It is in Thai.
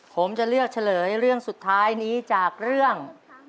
ผมจะเลือกเฉลยเรื่องสุดท้ายนี้จากเรื่อง